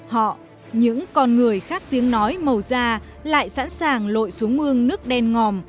họ những con người khác tiếng nói màu ra lại sẵn sàng lội xuống mương nước đen ngòm